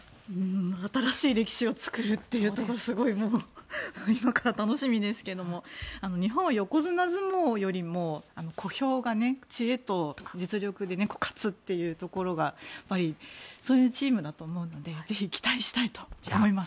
新しい歴史を作るってものすごいすごく今から楽しみですけど日本が横綱相撲よりも、小兵が知恵と実力で勝つっていうところがそういうチームだと思うのでぜひ期待したいと思います。